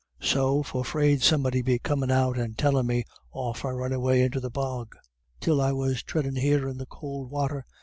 So for 'fraid somebody'd be comin' out and tellin' me, off I run away into the bog, till I was treadin' here in the could wather.